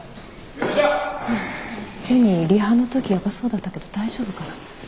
ジュニリハの時ヤバそうだったけど大丈夫かな。